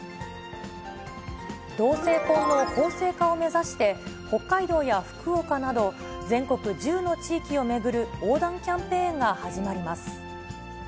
同性婚の法制化を目指して、北海道や福岡など、全国１０の地域を巡る横断キャンペーンが始まります。